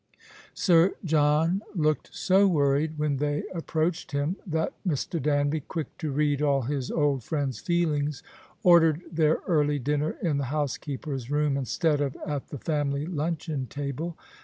Sir John looked so worried when they approached ]iim that Mr. Danby, quick to read all his old friend's feelings, ordered their early dinner in tlie housekeeper's room instead of at the family luncheon table.